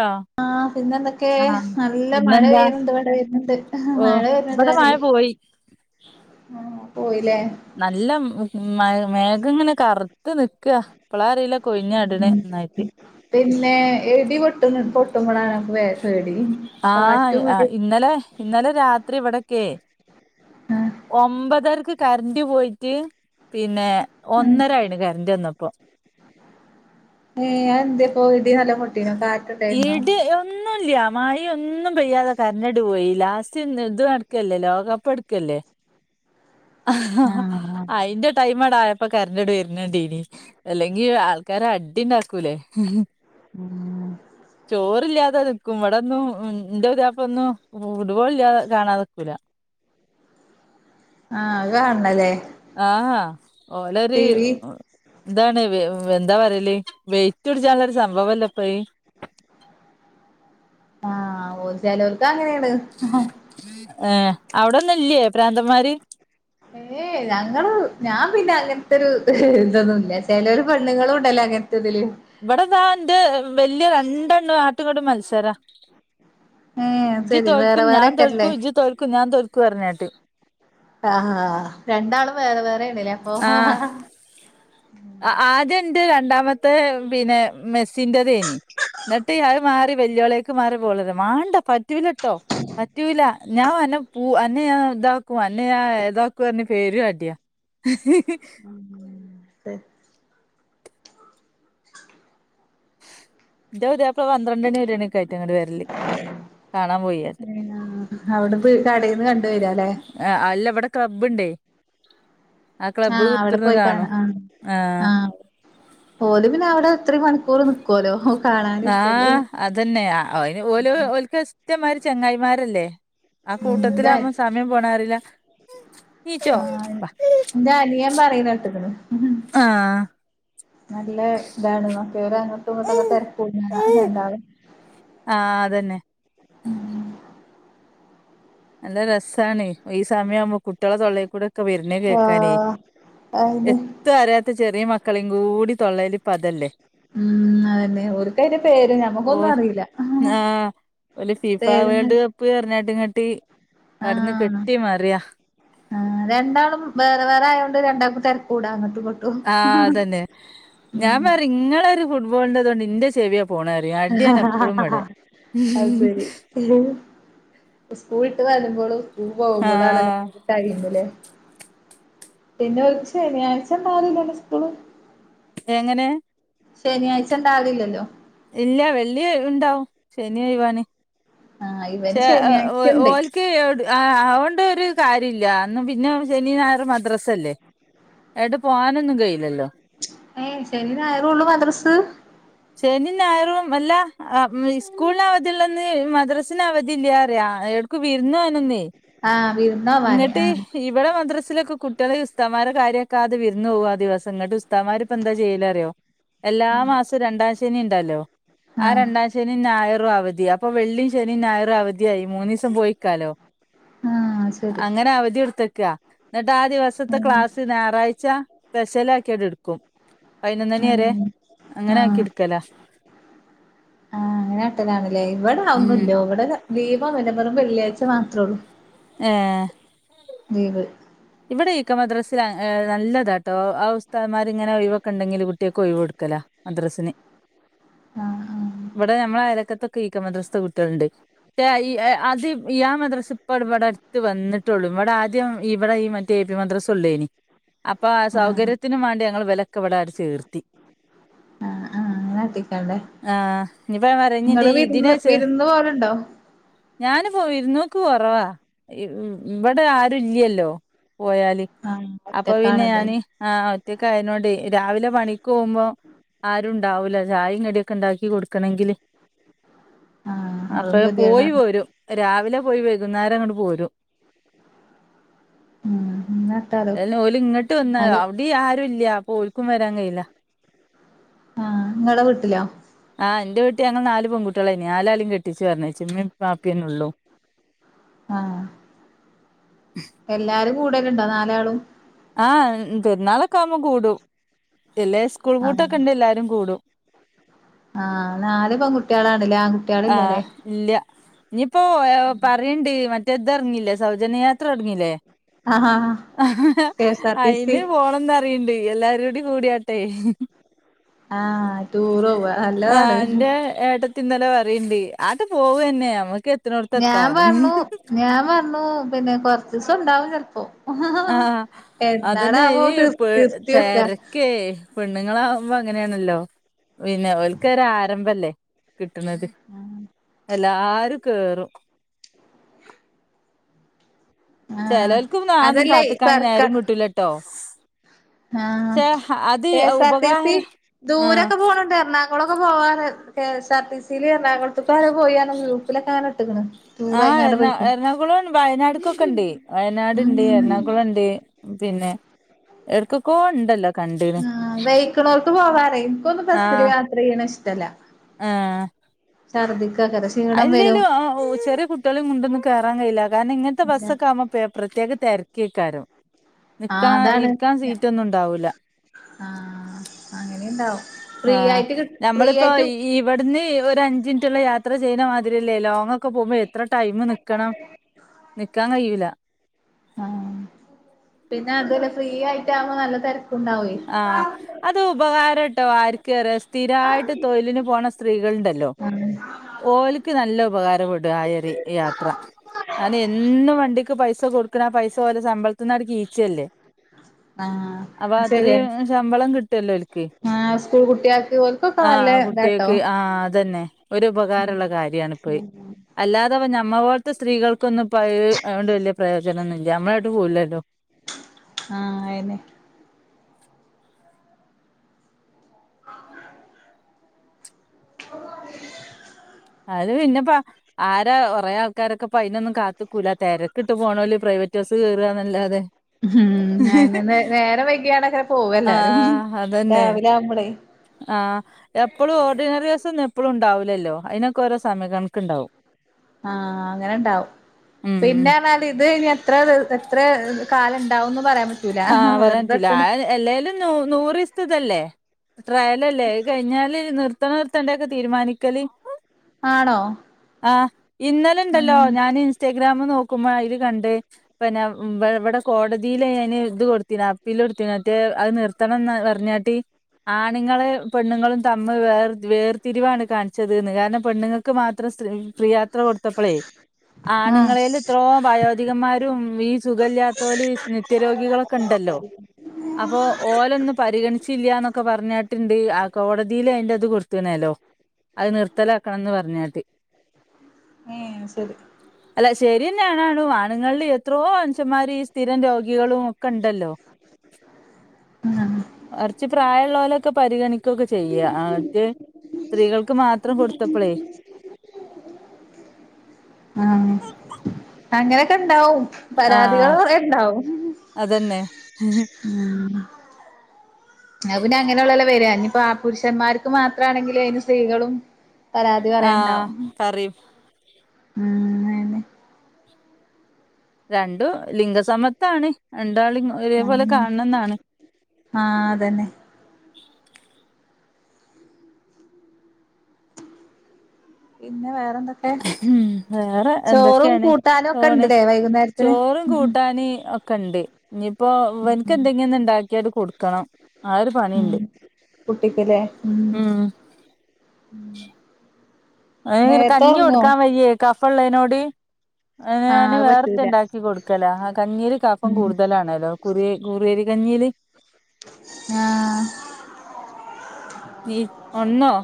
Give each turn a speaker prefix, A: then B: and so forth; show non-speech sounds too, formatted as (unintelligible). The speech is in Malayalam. A: ആ
B: ആ പിന്നെ എന്തൊക്കെ
A: ആഹ്
B: നല്ല മഴ
A: പിന്നെന്താ
B: പെയ്യുന്നുണ്ട് മഴ പെയ്യുന്നുണ്ട്
A: ഓ
B: മഴ
A: ഇവിടെ മഴ
B: വരുന്നുണ്ടന്നേ
A: പോയി
B: ആ
A: നല്ല മ് മേ മേഘം ഇങ്ങനെ കറുത്ത് നിക്ക് ക്ക പ്ളാറില്ല കൊഴിഞ്ഞാടണെ നന്നായിട്ട്
B: പിന്നെ ഇടി പൊട്ടുന്നു പൊട്ടുമ്പോളാണ് പേ പേടി
A: ആ
B: കാറ്റും ഇടി
A: ഇന്നലെ ഇന്നലെ രാത്രി ഇവിടൊക്കെയെ
B: ആഹ്
A: ഒമ്പതറക്ക് കരന്റ് പോയിട്ട് പിന്നെ
B: ആഹ്
A: ഒന്നര ആണ് കരറ വന്നപ്പൊ
B: ഏഹ് അതെന്തേപ്പോ ഇടി നല്ലോം പൊട്ടീനോ കാറ്റുണ്ടായിരുന്നോ
A: ഇടി ഒന്നുംല്ല മഴ ഒന്നും പെയ്യാതെ കരഞ്ഞട് പോയി ഇതും എടുക്കല്ലേ ലോകകപ്പ് എടുക്കല്ലേ? ആ
B: ആഹ്
A: അയിന്റെ ടൈംട ആയപ്പോ കരണ്ടോട് വരുന്നണ്ട അല്ലെങ്കി ആൾക്കാര അടിണ്ടാക്കൂല്ലേ
B: ഉം
A: ചോറ ഇല്ലാത അ ഇവിടൊന്നും ഉ എന്റെ ഇതപ്പ ഒന്നും ഫുട്ബോൾ ഇല്ലാതെ കാണാതക്കൂല
B: ആഹ കാണണല്ലേ
A: ആഹഹാ വളര്
B: ടി വി
A: ഇതാണ് എന്താ പറയല് വെയിറ്റ് കുടിച്ചുള്ളരു സംഭവല്ല പയി
B: ആഹ ഓ ചിലർക്ക് അങ്ങനെ
A: ഏർ അവിടൊന്നും ഇല്ലേ പ്രാന്തന്മാര്
B: ഏ ഞങ്ങ ഞാൻ പിന്നെ അങ്ങനത്തെൊരു ഇതൊന്നുംല്ല ചില ഒരു പണ്ണുങ്ങളും ഉണ്ടല്ലേ ആ എത്തൽ
A: ഇവിടെതാ എൻന്റെ വല്യ രണ്ടെണ്ണം ആട്ടുകാട് മത്സര
B: ഏ
A: ഇജ്
B: ശരി
A: തോൽക്കും
B: വേറെ
A: ഞാൻ തോൽക്കു
B: വേറെക്കെല്ലേ
A: ഇജ് തോൽക്കും ഞാൻ തോൽക്കു പറഞ്ഞേട്ട്
B: ആാ രണ്ടാളവേറെ വേറെ ഉണ്ടില്ലേ അപ്പൊ
A: ആദ്യ എറെ രണ്ടാമത്തെ പിന്നെ മെസ്സിന്റെ തേനി എന്നിട്ട് അയാത് മാറി വെല്ലുവിളികക്ക് മാറി പോള്ളത് വേണ്ട പറ്റില്ലട്ടോ പറ്റൂല ഞാൻ എന്നെ പൂ അന്നെ ഞാൻ ഇതാക്കും എന്നന്നെ ഞാൻ ഇതാക്കു പേര അടിയ
B: ത
A: ഇന്റൊ ഉതയപ്പ പന്ത്രണ്ട് മണി ഒണിയിറ്റ അങ്ങട്ട് വരല് കാണാൻ പോയിട്ട
B: അവിടെപ്പോ കടയിന്ന് കണ്ട് വരാല്ലേ
A: ആ അല്ല ഇവിടെ ക്ലബ്ബ്ണ്ടേ
B: ആഹ അവിടെ പോയിക്കണ
A: കാണും
B: ആ ആ പോല പിന്നെ അവിടെ എത്ര മണി കൊക്കല്ല
A: ആഹ് അതന്നെ അന് ഓല ഓ കത്മാര് ചെങ്ങായിമാരല്ലേ ആ കൂട്ടത്തി
B: ഉം
A: അമ്മ സമയം പോണാറില്ല
B: ആഹഞനിയാൻ പറയുന്ന കേട്ടന്ന്
A: ആഹ
B: നല്ല ഇതാണ് നോക്കെവര് അങ്ങോട്ടും ഇങ്ങോട്ടൊക്കെ തിരക്ക രന്താള്
A: ആ അതന്നെ
B: ഉം
A: നല്ല രസമാണ് ഈ സമയം ആുമ്പ കുട്ടികളെ തൊയിൽ കൂടെ ക്കെ വിരുന്ന കേക്കാനേ
B: ആഹ് അയിന്
A: എത്ത അരാിയത്ത ചെറിയ മക്ക കളിയും കൂടി തൊള്ളലി പതല്ലേ
B: ഉം അതന്നെ ഓക്കന്റെ പേര് ഞമ്മക്കൊന്നും അറിയില്ല
A: അ ഫിഫ വേൾഡ് കപ്പ് എറഞ്ഞാട്ടിൻങ്ങാട്ടി
B: ആഹ ആ രണ്ടാളും വേറെ വേറെ ആയ കൊണ്ട് രണ്ടാ കുട്ട ത കൂടാെ
A: ആഹ അതന്നെ ഞാൻ
B: ഉം
A: പറ ഇങ്ങളെ ഒരു ഫുട്ബോളിന്റെതൊണ്ട് ഇന്റെ ചെവിയ
B: അ ശരി സ്കൂൾ ഇട്ട് വരുമ്പോഴും സ്കൂൾ പോകുമ്പോളും
A: ആഹ്
B: ആളല്ലായിന്നില്ലേ പിന്നെ ഒ ശനിയാഴ്ച പാലലണ്ട് സ്കൂള്
A: എങ്ങനെ
B: ശനിയാഴ്ച ഉണ്ടാവില്ലല്ലോ
A: ഇല്ല വെള്ളി ഉണ്ടാവും ശനി ഒഴിവാണ്
B: ആഹ് ഇവന്
A: ചേ
B: ശനിയാഴ്ചണ്ട്
A: ഓല്ക്ക് അതോണ്ട് ഒരു കാര്യുല്ല. എന്ന പിന്നെ ശനി നായർ മദ്രസല്ലേ അത്ട്ട് പോകാനൊന്നും കഴയില്ലല്ലോ?
B: ഏയ് ശനി നായറൂ ഉള്ളു മദ്രസ?
A: ശനി ഞായറും അല്ല സ്കൂളിന് അവധിള്ള അന്ന് മദ്രാസിന് അവധി ഇല്ലന്ന് പറയാ. വിരുന്നുപോണന്നെ,
B: ആഹ് വിരുന്നോവാന്
A: ഇങ്ങട്ട്
B: ആഹ്
A: ഇവിടെ മദ്രസിലക്കെ കുട്ട കുട്ടികൾ ഉസ്തമാരെ കാര്യാകാതെ വിരുന്ന് പോവാ, ദിവസം ങ്ങട്ട് ഉസ്തമാർ ഇപ്പോ എന്താ ചെയ്യല് അറിയോ? എല്ലാ മാസം രണ്ടാം ശനി ഉണ്ടല്ലോ ആ
B: ആഹ്
A: രണ്ടാം ശനി ഞായറും അവധി അപ്പൊ വെള്ളി ശനി ഞായർ അവധിയായി മൂന്ന് ദിവസം പോയിക്കാലോ,
B: ആഹ് ശരി
A: അങ്ങനെ അവധി കൊടുത്തിക്ക എന്നിട്ട് ആ ദിവസത്തെ ക്ലാസ് ഞായറാഴ്ച സ്പെഷ്യൽ ആക്കി അങ്ങട് എടുക്കും പൈനൊന്ന് മണി വരെ,
B: ഉം
A: അങ്ങനെ ആക്കി
B: ആഹ്
A: എടുക്കല.
B: അങ്ങനാട്ടലാണല്ലേ, ഇവിടെ
A: ഉം
B: അതൊന്നില്ല, ഇവിടെ ലീവ് ഒന്നൂല്ല, വെറും വെള്ളിയാഴ്ച മാത്രേ ഉള്ളൂ.
A: ആഏ
B: ലീവ്
A: ഇവിടെ ഇ. കെ മദ്രാസിൽ നല്ലതാട്ടോ, ആ ഉസ്തന്മാരിങ്ങനെ ഒഴിവൊക്കെ ഉണ്ടെങ്കിൽ കുട്ടിയാക്ക് ഒഴിവ് കൊടുക്കും. മദ്രസിന്,
B: ആഹ്
A: ഇവിടെ നമ്മളെ അയലോകത്ത് ഇ. കെ മദ്രസത്തെ കുട്ടികളുണ്ട് അത് ആ ഈ മദ്രസ ഇപ്പ ഇവിടെ അടുത്ത് വന്നിട്ടുള്ളൂ, ഇവിടെ ആദ്യം ഈ ഈ മറ്റ എ പി മദ്രസ ഉള്ളയിനി, അപ്പൊ ആ
B: ആഹ് ആഹ്
A: സൗകര്യത്തിന് വേണ്ടി നങ്ങൾ ഇവലൊക്കെ ഇവിടങ് ചേർത്തി.
B: ആഹ് ആഹ് അങ്ങനെ കാട്ടിക്കാണ്ടേ
A: ആഹ നാനിപ്പ
B: ഇങ്ങള്
A: ഇതിനെ
B: വിരുന്ന്
A: ചേർ
B: വിരുന്ന് പോവലുണ്ടോ
A: ഞാന പോ വിരുന്നോക്ക് കൊറവാ, ഇവിടെ ആരു ഇല്ലല്ലോ. പോയാല്
B: ആഹ്
A: അപ്പൊ പിന്നെ ഞാന്
B: ഒറ്റക്കാണല്ലല്ലേ
A: ആ ഒറ്റക്ക് ആയതോണ്ട്, രാവിലെ പണി ക്ക് പോവുമ്പോ ആരും ഇണ്ടാവൂല, ചായും കടിയൊക്കെ ഉണ്ടാക്കി കൊടുക്കണങ്കിൽ
B: ആഹ്
A: അപ്പൊ
B: അതും
A: പോയി
B: ഗതികേടാണ്
A: പോരും രാവിലെ പോയി വൈകുന്നേരം, അങ്ങട് പോരും.
B: ഉം അങ്ങനെ കാട്ടാലോ
A: അ ഓലും ഇങ്ങോട്ട് വന്നാ,
B: എന്നാലും
A: അവിടെ ആരും ഇല്ല അപ്പൊ ഓൽക്കും വരാൻ കഴയില്ല.
B: ആഹ ഇങ്ങളെ വീട്ടിലോ
A: ആ എന്റെ വീട്ടിൽ ഞങ്ങൾ നാല് പെൺകുട്ടികളായിരുന്നു, നാല് ആളീം കെട്ടിച്ചു പറഞ്ഞയച്ചു, ഇമ്മി വാപ്പീ തന്നെ ഉള്ളു.
B: ആഹ എല്ലാരും കൂടൽ ഇണ്ടോ, നാലാളും?
A: ആഹ പെരുന്നാളൊക്കെ ആവുമ്പോ കൂടും, ഇല്ലേ സ്കൂൾ പൂട്ടൊക്കെ ഇണ്ടെ എല്ലാരും കൂടും.
B: ആഹ നാൽ പെൺകുട്ടികളാണ്,
A: ആഹ് ഇല്ല ഇനിയിപ്പോ പറയണ്ട്, മറ്റെ ഇത് ഇറങ്ങില്ലേ, സൗജന്യയാത്ര തുടങ്ങില്ലേ
B: ആഹ് K S R T C
A: അയിന് പോണംന്ന് പറയണ്ട് എല്ലാരും പാടെ കൂടിയാട്ടെ,
B: ആഹ ടൂറ പോവ, നല്ലതാണ്.
A: ആഹ് എന്റെ ഏട്ടത്തി ഇന്നലെ പറണ്ട്, ആട്ട് പോവന്നെ നമുക്ക്
B: ഞാൻ പറഞ്ഞു ഞാൻ പറഞ്ഞു പിന്നെ കുറച്ച് ദിവസം ഉണ്ടാവും ചിലപ്പോ
A: ആഹ അതന്നെ
B: നിർ
A: പ്പൊ
B: നിർത്തി വെക്കാ
A: തിരക്കേ! പെണ്ണുങ്ങൾ ആകുമ്പോ അങ്ങനെയാണല്ലോ, പിന്നെ ഒല്ക്ക് ഒരു ആരംഭല്ലേ കിട്ടണത്, എല്ലാരും കേറും.
B: ആഹ്
A: ചിലോല്കൊന്നും അതൊന്നും
B: അതല്ലേ
A: കാത്തിക്കാന് നേരും കിട്ടൂലട്ടോ.
B: ആഹ
A: ക്ഷെ അത്
B: K S R T C
A: ഉപകാരം ആഹ്
B: ദൂരൊക്കെ പോണണ്ട്. അങ്ങോട്ടൊക്കെ പോവാ K S R T C ൽ എണാകുളത്തക്ക് ആരോ പോയി പറഞ്ഞ് ഗ്രൂപ്പിലിക്കെ അങ്ങനെ ഇട്ടക്കണ്. ടൂർ
A: ആഹ്
B: അയിങ്ങാണ്ട് പോയിട്ട്
A: വയനാട്ണ്ട്, എറണാകുളണ്ട് പിന്നെ ഏട്കൊക്കെ ഉണ്ടല്ലോ.
B: ആ വൈക്കണോർക്ക് പോവാ പറയാ, എനിക്കൊന്നും ബസ്സിൽ
A: ആഹ്
B: യാത്ര ചെയ്യണത് ഇഷ്ടമല്ല.
A: ആഹ്
B: ക്ഷീണം വരും
A: അല്ലേലും ചെറിയ കുട്ടികളെ കൊണ്ടന്നും കയറാൻ കഴിയില്ല. കാരണം ഇങ്ങനത്തെ
B: പിന്നെ
A: ബസ്സക്കെ ആവുമ്പോ പ്രത്യേക തിരക്കേകാരം. കേള്‍ക്കേക്കാരം നിക്കാ
B: ആഹ്
A: ഇരിക്കാൻ
B: അതാണ്
A: സീറ്റ് ഒന്നുണ്ടാവൂല
B: ആഹ് അങ്ങനെണ്ടാവും ഫ്രീ
A: ആഹ
B: ആയിട്ട് കിട്ട് ഫ്രീ
A: ഞമ്മളിപ്പോ
B: ആയിട്ട്
A: ഇവിടുന്ന് ഒരു അഞ്ചിനിറ്റുള്ള യാത്ര ചെയ്യുന്ന മാതിരിയല്ലേ ലോങ്ങൊക്കെ പോകുമ്പോ എ എത്ര ടൈമ് നിക്കണം നിക്കാൻ കഴിയൂല
B: ആ പിന്നെ അതുമല്ല ഫ്രീയായിട്ട് ആവുമ്പോ നല്ല തര
A: ആഹ അത് ഉപകാരട്ടോ ആർക്കറിയോ സ്ഥിരായിട്ട് തൊഴിലിന് പോണ സ്ത്രീ (unintelligible) ണ്ടല്ലോ
B: ആഹ്
A: ഓൽക്ക് നല്ല ഉപകാരപെടും ആയറി യാത്ര അന എന്നും വണ്ടിക്ക് പൈസ കൊടുക്കണ പൈസ ഓലെ ശമ്പളത്തിന്നാണ്ട് കിച്ചല്ലേ
B: ആഹ (inaudible)
A: അത്രയും ശമ്പളം കിട്ടുവല്ലോ ഓൽക്ക്
B: ആഹ് സ്കൂൾ കുട്ട്യാക്ക് ഓൽക്കൊക്കെ നല്ല
A: ആഹ്
B: ഇതാട്ടോ
A: കുട്ടികൾക്ക് ആഹ് അതന്നെ. ഒരു ഉപകാരമുള്ള കാര്യമാണിപ്പോയി അല്ലാതെ നമ്മളെപോലത്തെ സ്ത്രീകൾക്ക് നമുക്കൊന്നും ഇപ്പം അതുകൊണ്ട് വലിയ പ്രയോജനം ഒന്നുമില്ല നമ്മളായിട്ട് പോവല്ലല്ലോ.
B: ആഹ് അയിനെ (inaudible)
A: അത് പിന്നെപ്പ ആരാ കൊറേ ആൾക്കാരൊക്കെപ്പ അതിനൊന്നും കാത്തു പുല തിരക്കിട്ട് പോണോല്ല് പ്രൈവറ്റ് ബസ്സ് കേയറുകന്നല്ലാതെ
B: ഉം അയിന് നേരം വൈകിയാണ്ടാക്കാരം പോവ എല്ലാരും രാവിലെയാവുമ്പോള്‍
A: ആ എപ്പോളും ഓർഡിനറി ബസ് എപ്പോഴും ഉണ്ടാവില്ലല്ലോ അതിനൊക്കെ ഓരോ സമയം കണക്കുണ്ടാവും.
B: ആ അങ്ങനെണ്ടാവും പിന്നെ പറഞ്ഞാല്‍ ഇത് എത്ര എത്ര കാലണ്ട് ഉന്നും പറയാ
A: ആഹ് പറയാന്‍ പറ്റൂല ആ എല്ലേലും നൂറ് ദിവസത്തെതല്ലേ ട്രയലല്ലേ കഴിഞ്ഞാല് നിർത്തണോ നിർത്തേണ്ട ഒക്കെ തീരുമാനിക്കല്
B: ആണോ.
A: ആ ഇന്നലെണ്ടല്ലോ
B: ആഹ്
A: ഞൻ ഇൻസ്റ്റ ഗ്രാമം നോക്കുമ്പോ അയിൽ കണ്ട് പിന്നെ ഇവിടെ കോടതിൽ അയിന് അത് കൊടുത്തിന അപ്പില് കൊടുത്തീന മറ്റേ അത് നിർത്തണംന്ന് പറഞ്ഞാണ്ട് ആണുങ്ങൾ പെണ്ണുങ്ങളും തമ്മിൽ വേർതിരിവാണ് കാണിച്ചത് എന്ന് കാരണം പെണ്ണുങ്ങൾക്ക് മാത്രം സ്ത്രീ ക്രിയാത്ര കൊടുത്തപ്പോളേ
B: ആഹ്
A: ആണുങ്ങളൽ ഇത്രോ വയോ അധികന്മാരും ഈ സുഖില്ലത്തോല് നിത്യ രോഗികളാ (unintelligible) ണ്ടല്ലോ അപ്പോ ഓലോന്ന് പരിഗണിച്ച് ഇച്ചില്ലാന്നൊക്കെ പറഞ്ഞാട്ടുണ്ട് ആ കോടതിൽ അതിന്റെറ അത് കൊടുത്തണല്ലോ അത് നിർത്തലാക്കണംന്ന് പറഞ്ഞിട്ട്
B: ങേ ശരി
A: അല്ല ശരിന്നെണാണു ആണുങ്ങളിൽ എത്രോ മനുഷന്മാര് ഈ സ്ഥിരം രോഗികളും (inaudible)
B: ആഹ്
A: കുറച്ച് പ്രായ ഇന്നാലൊക്കെ പരിഗണിക്കൊക്കെ ചെയ്യാ ആദ്യ സ്ത്രീകൾക്ക് മാത്രം കൊടുത്തപ്പളേ
B: ആഹ അങ്ങനെയൊക്കെണ്ടാവും പരാതികൾ
A: ആഹ്
B: കൊറെണ്ടാവും
A: ഹ
B: അത് പിന്നെ അങ്ങനെയുള്ളല്ലോ വരാ ഇനിപോ പുരുഷന്മാർക്ക് മാത്രമാണെങ്കില് അതിന് സ്ത്രീകളും പരാതി
A: ആഹ്
B: പറയണ്ടാവും
A: പറയും
B: ഉം അതെ
A: രണ്ടു ലിംഗ സമത്താണ്. രണ്ടാളിം ഒരേപോലെ കാണണംന്നാണ്.
B: ആഹ് അതന്നെ പിന്നെ വേറെന്തൊക്കെ
A: ഉം വേറെ
B: ചോറും
A: എന്തൊക്കെയാണ്
B: കൂട്ടാനും ഒക്കെ
A: പോണ്
B: ഇണ്ട്ല്ലേ വൈകുന്നേരത്തിന്
A: ചോറും കൂട്ടാന് ഒക്കെ ഇണ്ട്. ഇനിയിപ്പോ ഇവൻക്ക്‌ എന്തെങ്കിലും ഒന്ന് ഇണ്ടാക്കിട്ട് കൊടുക്കണം ആ ഒരു പണിയുണ്ട്
B: ഉ (inaudible)
A: ഉം അ കഞ്ഞി കൊടുക്കാൻ വയ്യേ കഫ ഉള്ളേനോട്
B: ആഹ്
A: ഞാന്
B: അത്
A: വേറത്തേ
B: പറ്റൂല
A: ണ്ടാക്കി കൊട്ക്കല ആ കഞ്ഞീല് കഫം കൂടുതലാണല്ലോ കുറി കുറിയരി കഞ്ഞീല്
B: ആഹ്
A: നി ഒന്നോ